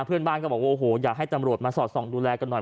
เพื่อนบ้านก็บอกว่าโอ้โหอยากให้ตำรวจมาสอดส่องดูแลกันหน่อย